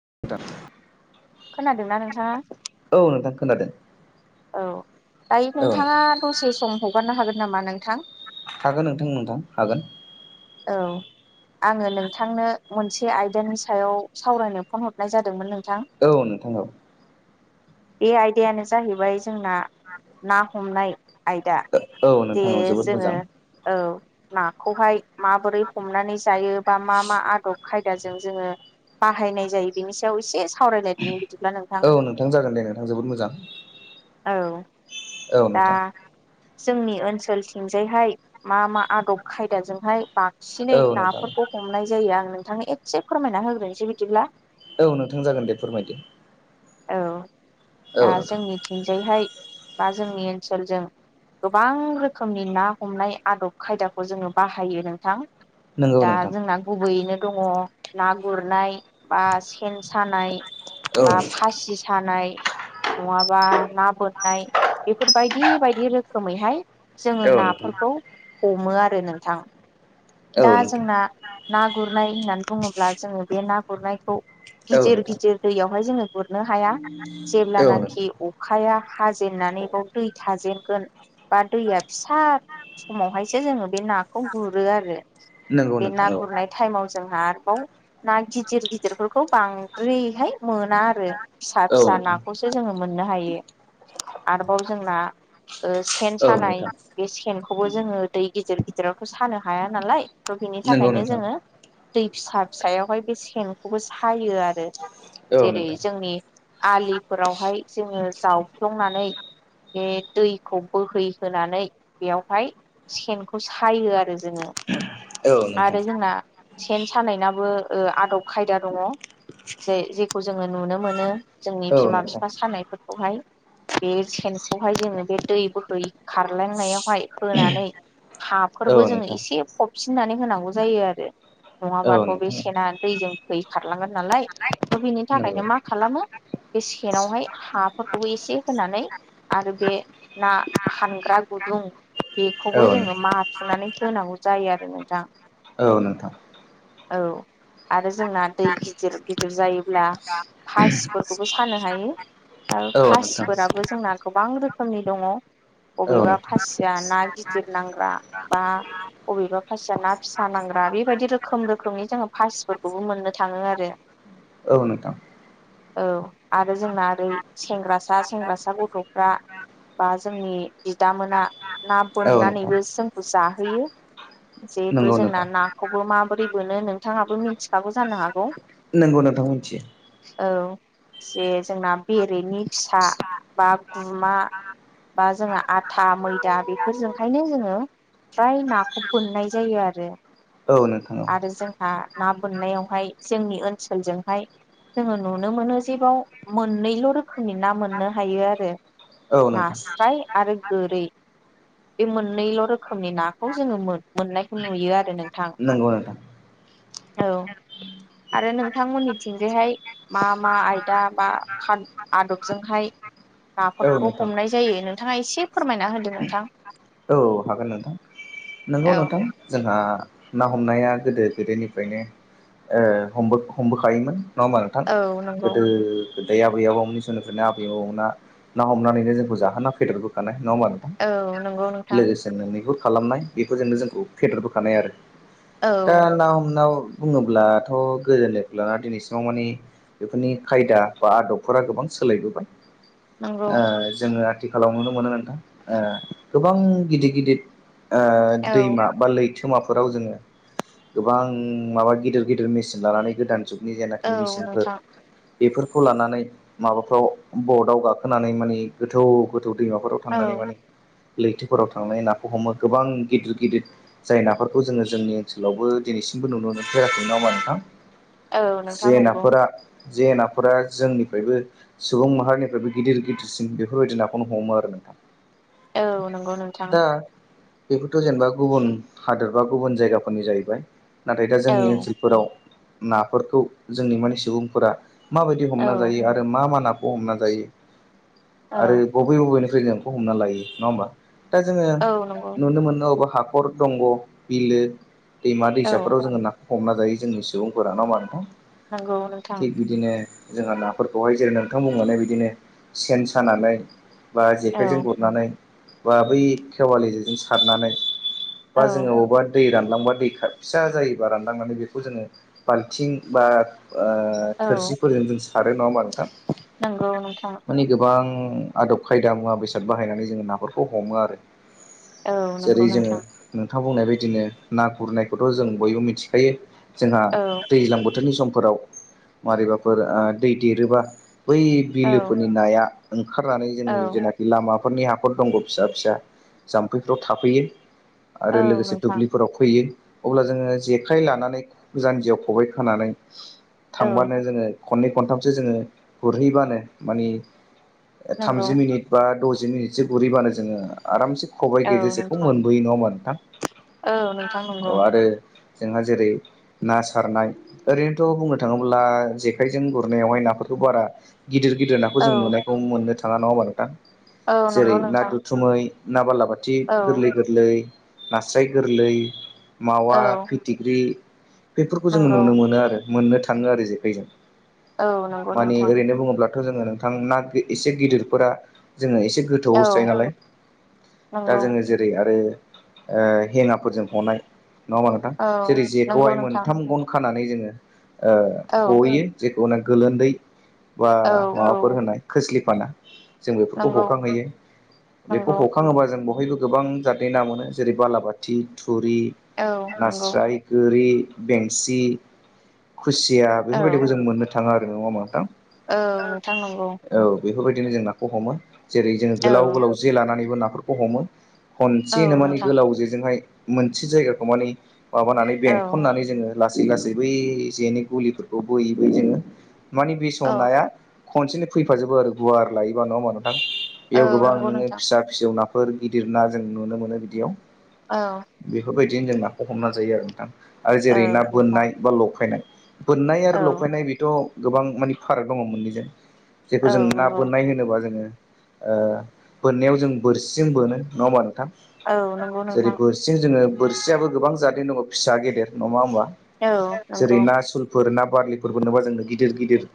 [unintelligible] खोनादोंना नोंथांङा? औ नोंथां खोनादों औ दायो औ नोंथाङा नोंथां दसे सम हगारनो हागोन नामा नोंथां। हागोन नोंथां नोंथां हागोन। औ आङो नोंथांनो मोनसे आयदानि सायाव सावरायनो फन हरनाय जादोंमोन नों औ नोंथां। बे आयदायानो जाहैबाय जोंना ना हमनाय। आयदा औ जे नोंथां औ जोबोद जोङो मोजां औ नाखौहाय माबोरै हमनानै जायो बा मा मा आदब खायदाजों जोङो। बाहायनाय जायो बिनि सायाव एसे सावरायलायदिनो। औ नोंथां जागोन दे नोंथां जोबोद मोजां। औ औ नोंथां दा जोंनि ओनसोलथिंजायहाय मा मा आदब खायदाजोंहाय बांसिनै औ नोंथां नाफोरखौ हमनाय जायो आं नोंथांनो एसे फोरमायना होग्रोनोसै बिदिब्ला औ नोंथां जागोन दे फोरमायदो औ औ दा नोंथां जोंनिथिंजायहाय बा जोंनि ओनसोलजों गोबां रोखोमनि ना हमनाय आदब खायदाखौ जोङो बाहायो नोंथां नंगौ दा नोंथां जोंना गुबैयैनो दङ ना गुरनाय बा सेन सानाय औ बा खाासि सानाय नङाबा ना बोननाय बेफोरबायदि बायदि रोखोमैहाय जोङो औ नोंथां नाफोरखौ हमो आरो आरो नोंथां औ दा नोंथां जोंना ना गुरनाय होननानै बुङोब्ला जोङो बे ना गुरनायखौ औ गिदिर नोंथां गिदिर दैयावहाय जोङो गुरनो हाया औ जेब्लानाखि नोंथां अखाया खाजेननानै बाव दै थाजेनगोन बा दैया फिसा समावहायसो जोङो बे नाखौ गुरो आरो नंगौ बे नोंथां ना औ गुरनाय टाइमव जोंहा आरोबाव ना गिदिर गिदिरफोरखौ बांद्रायहाय मोना आरो फिसा औ फिसा नोंथां नाखौसो जोङो मोननो हायो आरोबाव जोंना सेन औ सानाय नोंथां बे सेनखौबो जोङो दै गिदिर गिदिरावथ' सानो हाया नालाय थ' बिनि नंगौ थाखायनो नोंथां जोङो दै फिसा फिसायावहाय बे सेनखौबो सायो आरो औ जेरै नोंथां जोंनि आलिफोरावहाय जोङो जावफ्लंनानै बे दैखौ बोहैहोनानै बेयावहाय सेनखौ सायो आरो जोङो औ नोंथां आरो जोंना सेन सानायनाबो आदब खायदा दङ जे जेखौ जोङो नुनो मोनो जोंनि औ बिमा नोंथां बिफा सानायफोरखौहाय बे सेनखौहाय जोङो बे दै बोहै खारलांनायावहाय होनानै हाफोरबो औ जोङो नोंथां एसे फबसििननानै होनांगौ जायो आरो औ नङाबाथ' बे नोंथां सना दैजों दै खारलांगोन नालाय थ' बिनि नंगौ थाखायनो मा खालामो बे सेनावहाय हाफोरखौबो एसे होनानै आरो बे ना हानग्रा गुदुं औ बेखौबो जोङो माथुनानै होनांगौ जायो आरो नोंथां नोंथां औ आरो जोंना दै गिदिर गिदिर जायोब्ला फासिफोरखौबो सानो हायो औ फासिफोराबो जोंना गोबां नोंथां रोखोमनि दङ औ बबेबा फासिया ना गिदिर नांग्रा बा बबेबा फासिया ना फिसा नांग्रा बेबायदि रोखोम रोखोमनि जोङो फासिफोरखौबो मोननो थाङो आरो औ न औ आरो जोंना ओरै सेंग्रासा सेंग्रासा गथ'फ्रा बा जोंनि बिदामोना ना औ नोंथां बोननानैबो जोंखौ जाहोयो जिहेथु नंगौ नोंथां जोंना नाखौबो माबोरै मोनो नोंथाङाबो मिथिखागौ जानो हागौ नंगौ नोंथां मिथि औ जे जोंना बेरेनि फिसा बा गुमा बा जोंहा आथा मैदा बेफोरजोंहायनो जोङो फ्राय नाखौ मोननाय जायो आरो औ नोंथां औ आरो जोंहा ना बोननायावहाय जोंनि ओनसोलजोंहाय जोङो नुनो मोनो जे बाव मोननैल' रोखोमनि ना मोननो हायो आरो औ नोंथां नास्राय आरो गोरै बे मोननैल' रोखोमनि नाखौ जोङो मोनो मोननायखौ नुयो आरो नोंथां नंगौ नोंथां औ आरो नोंथांमोननिथिंजायहाय मा मा आयदा बा आदबजोंहाय औ नाफोरखौ नोंथां हमनाय जायो नोंथाङा एसे फोरमायना होदो नोंथां औ हागोन नोंथां नंगौ औ नोंथां जोंहा ना हमनाया गोदो गोदोनिफ्रायनो ओ हमबो हमबोखायोमोन नङा होमा नोंथां औ नंगौ गोदो गो दाय आबै आबौमोननि समनिफ्रायनो आबै आबौमोना ना हमनानैनो जोंखौ जाहोना फेदेरबोखानाय औ नंगौ नोंथां बेफोर खालामनाय बेफोरजोंनो जोंखौ फेदेरबोखानाय आरो औ दा ना हमनाव बुङोब्लाथ' गोजोननिफ्राय लाना दिनैसिमाव मानि बेफोरनि खायदा बा आदबफोरा गोबां सोलायबोबाय नंगौ ओ जोङो आथिखालाव नुनो मोनो नोंथां ओ गोबां गिदिर गिदिर ओ औ दैमा बा लै बिलोमाफोराव जोङो गोबां माबा गिदिर गिदिर मेसिन लानानै गोदान जुग नि औ जेनााखि निसिनाफोर नोंथां बेफोरखौ लानानै माबाफ्राव बर्डआव गाखोनानै माने गोथौ गोथौ दैमाफोराव औ थांनानै माने लैथोफोराव थां थांनाय नाखौ हमो गोबां गिदिर गिदिर जाय नाफोरखौ जोङो जोंनि ओनसोलावबो दिनैसिमबो नुनो मोन फेराखै नबा नोंथां औ नोंथां जे नंगौ नाफोरा जे नाफोरा जोंनिफ्रायबो सुबुं माहारिनिफ्रायबो गिदिर गिदिरसिन बेफोरबायदि नाखौनो हमो आरो ना औ नंगौ नोंथां। बेखौथ' जेनेबा गुबुन हादोर बा गुबुन जायगाफोरनि जाहैबाय नाथाय दा औ जोंनि ओनसोलफोराव नाफोरखौ जोंनि माने सुबुंफोरा माबायदि हमना औ जायो आरो मा मा नाखौ हमना जायो आरो औ बबे बबे हमना लायो नङा हबा दा जोङो औ नंगौ नुनो मोनो अबा हाखर हाखर दंग' बिलो दैमा औ दैसाफोराव जोङो ना हमना जायो जोंनि सुबुंफोर ना मानोथ' नंगौ नोंथां थिग बिदिनो जोंहा नाफोरखौहाय जेरै नोंथां बुंनानै बिदिनो सेन सानानै बा औ जेखाइजों गुरनानै बा बै खेवालिजों सारनानै औ बा जोङो बबावबा दै रान रानलांबा दै फिसा जायोबा रानलांनानै बेखौ जोङो बाल्थिं बा ओ औ थोरसिफोरजों जों सारो नङा ह होनोमबा नोंथां नंगौ नोंथां माने गोबां आदब खायदा मुवा बेसाद बाहायनानै जोङो नाफोरखौ हमो आरो औ जेरै नंगौ जोङो नोंथां नोंथां बुंनाय बायदिनो ना गुरनायखौथ' जों बयबो मिथिखायो जोंहा औ दैज्लां बोथोरनि सम फोराव मारैबाफोर दै देरोबा बै औ बिलोफोरनि नाया ओंखारनानै औ जोंनि जेनाखि लामाफोरनि हाखर दंङ फिसा फिसा जाम्फैफ्राव थाफैयो औ आरो लोगोसे नोंथां दुब्लिफोराव फैयो अब्ला जोङो जेखाइ लानानै जानजियाव खबाइ खानानै औ थांबानो जोङो खनै खथामसो जोङो गुरहैबानो मानि नंगौ थामजि मिनिट बा द जि मिनिटसो गुरैबानो जोङो आरामसे खबाइ औ गेजेरसेखौ नोंथां मोनबोययो नङा आरो नोंथां नोंथां औ नंगौ आरो जोंहा जेरै ना सारनाय ओरैनोथ' बुंनो थाङोब्ला जेखायजों गुरनायावहाय नाफोरखौ बारा गिदिर गिदिर नाखौ जों औ नुनायखौ मोननो थाङा नङा होमबा नोंथां औ जेरै नंगौ ना नोंथां दुथुमै ना बालाबाथि औ गोरलै गोरलै नास्राय गोरलै मावा औ फिथिख्रि बेफोरखौ जोङो नंगौ नुनो मोनो आरो मोननो थाङो आरो जेखाइजों औ नंगौ मानि नोंथां ओरैनो बुङोब्ला दाथ' जोङो नोंथां ना एसे गिदिरफोरा जोङो एसे औ गोथौआवो जायो नालाय दा नंगौ जोङो जेरै आरो ओ हेनाफोरजों हनाय नङा होमबा नोंथां औ जेरै नंगौ जेखौहाय नोंथां मोनथाम गन खानानै जोङो ओ औ हहैयो जे औ ना गोलोन्दै बा औ माबाफोर औ होनाय खोस्लिफाना जों बेफोरखौ नंगौ हखांहैयो बेखौ नंगौ हखाङोबा जों जों बहायबो गोबां जाहाथे ना मोनो जेरै बालाबाथि थुरि औ नंगौ नास्राय गोरि बेंसि खुसिया औ बेफोरबायदिखौ जों मोननो थाङा आरो नङा होनबा नोंथां औ नोंथां नंगौ ओं औ बेफोरबायद बिदिनो जों नाखौ हमो जेरै जोङो गोलाव औ गोलाव जे लानानैबो नाफोरखौ हमो औ खनसेनो माने नोंथां गोलाव जेजोंहाय मोनसे जायगाखौ मानिे माबानानै औ बेंखननानै जोङो लासै लासै बै जेनि गुलिफोरखौ बोयै बोयै जोंयो माने औ बेसमाव नाया खनसेनो फैफाजोबो आरो गुवार लायोबा नङा होमबा नोंथां औ बेयाव गोबां नंगौ नोङो नोंथां फिसा फिसौ नाफोर गिदिर ना जों नुनो मोनो बिदियाव औ बेफोरबायदिनो जोंना खौ हमना जायो आरो नोंथां आरो औ जेरै ना नोंथां बोननाय बा लफायनाय बोननाय आरो औ लफायनाय बेथ' गोबां मानि फाराग दङ मोननैजों। जेखौ औ जों ना नंगौ बोननाय होनोबा जोङो ओ बोननायाव जों बोरसिं बोनो नङा होमबा नोंथां औ ओं नंगौ जेरै नोंथां बोरसिं जोङो बोरसियाबो गोबां जादेन दङ फिसा गेदेर नंबा होमबा औ ओं जेरै नंगौ ना सुलफोर ना बारलिफोरबो नोबा जोंनो गिदिर गिदिर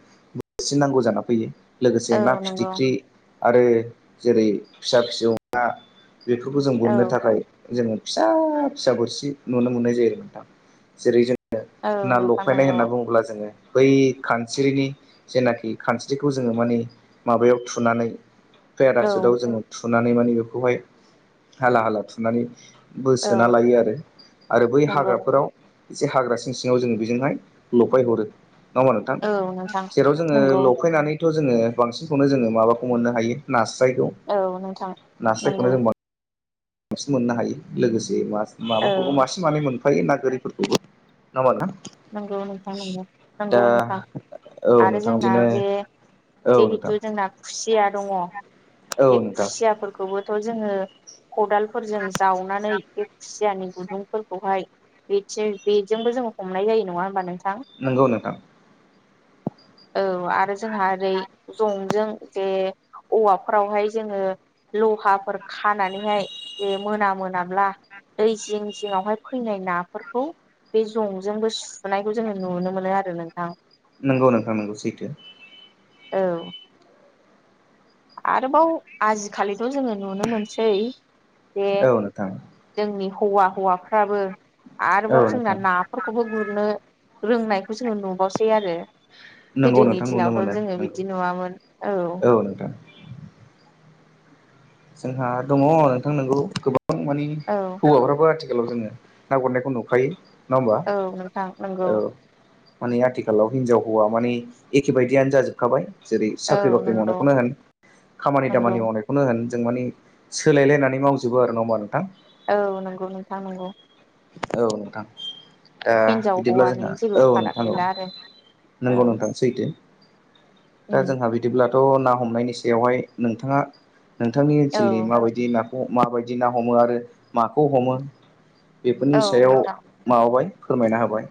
बोरसि नांगौ जाना फैयो लोगोसे औ ना नंगौ फिथिख्रि आरो जेरै फिसा फिसौ ना बेखौबो जों औ बोननो थाखाय जोङो फिसा फिसा बोरसि नुनो मोननाय जायो नोंथां जेरै जों ओ औ ना नोंथां लफायनाय नंगौ होनना बुङोब्ला जोङो बै खानस्रिनि जेनाखि खानस्रिखौ जोङो मानि माबायाव थुनानै औ पेरासुटआव जोङो थुनानै माने बेखौहाय हाला हाला थुनानै औ बोसोना लायो आरो आरो बै नंगौ हाग्राफोराव एसे हाग्रा सिं सिङाव जोङो बेजोंहाय लफायहरो। नङा होमबा नोंथां औ नोंथां जेराव जोङो नंगौ लफायनानै थ' जोङो बांसिनखौनो जोङो माबाखौ मोननो हायो नास स्रायखौ औ नोंथां नास्रायखौनो नंगौ जों बां बांसिन मोननो हायो लोगोसे मास औ माबाखौबो मासे मानै मोनख हायो नागोरिफोरखौबो नङा होमबा नोंथां नंगौ नोंथां नंगौ दा नंगौ नोंथां। औ आरो नोंथां जोंना बिदिनो जे औ नोंथां जिहेथु जोंना खुसि या दङ औ बे नोंथां खुसियाफोरखौबोथ' जोङो खदालफोरजों जावनानै बे खुसियानि गुदुंफोरखौहाय बेथियाय बेजोंबो जोङो हमनाय जायो नङा होमबा नोंथां? नोंगौ नोंथां। औ आरो जोंहा ओरै जंजों जे औवाफ फ्रावहाय जोङो लहाफोर खानानैहाय जे मोना मोनाब्ला दै जिं जिंङावहाय फैनाय नाफोरखौ बे जंजोंबो सुनायखौ जोङो नुनो मोनो आरो नोंथां। नोंगौ नोंथां नोंगौ सैथो। औ। आरोबाव आजिखालिथ' जोङो नुनो मोनसै जे औ नोंथां जोंनि हौवा हौवाफ्राबो औ आरोबाव जोंना नोंथां नाफोरखौबो गुरनो रोंनायखौ जोङो नुबावसै आरो। नंगौ गोदोनि नोंथां नुनो दिनावथ' मोनो जोङो नंगौ बिदि नुवामोन औ। जोंहा दङ नोंथां नोंगौ गोबां मानि औ हौवाफ्राबो आथि आगोलाव जोङो ना गुरनायखौ नुखायो। नङा होमबा औ नोंथां नोंगौ। औ माने आथिखालाव हिनजाव हौवा माने एखे बदियानो जाजोबखाबाय। जेरै औ साख्रि बाख्रि नंगौ मावनायखौनो होन खामानि नंगौ दामानि मावनायखौनो होन। जों मानि सोलायलायनानै मावजोबो आरो नोङा होमबा नोंथां? औ नंगौ नोंथां नंगौ। औ नोंथां। ओ दा हिनजाव बिदिब्ला हौवानि जोंहा जेबो औ फाराग नोंथां औ गैला आरो नंगौ औ नोंथां सैथो दा उम जोंहा बिदिब्लाथ' ना हमनायनि सायावहाय नोंथाङा। नोंथांनि औ ओनसोलनि माबायदि नाखौ माबायदि ना हमो आरो माखौ हमो बेफोरनि औ सायाव नोंथां माबाबाय फोरमायना होबाय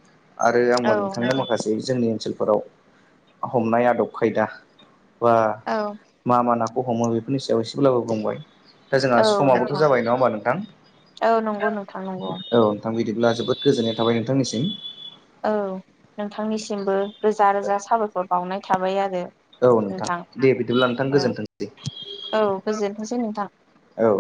आरो आंबो औ नोंथांनो नोंथां माखासे जोंनि ओनसोल फोराव हमनाय आदब खायदा बा औ मा मा ना हमो बेफोरनि सायाव एसेब्लाबो बुंबाय दा जोंहा औ समाबोथ' नोंथां जाबाय नङा होमबा नोंथां औ नंगौ नोंथां नंगौ औ नोंथां बिदि अब्ला जोबोद गोजोननाय थाबाय नोंथांनिसिम औ नोंथांनिसिमबो रोजा रोजा साबायखर बावनाय थाबाय आरो। औ नोंथां दे बिदिब्ला नोंथां औ गोजोनथोंसै। औ गोजोनथोंसै नोंथां औ।